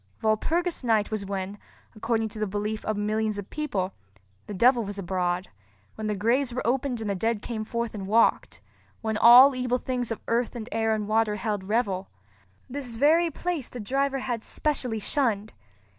Walpurgis Night was when, according to the belief of millions of people, the devil was abroad—when the graves were opened and the dead came forth and walked. When all evil things of earth and air and water held revel. This very place the driver had specially shunned.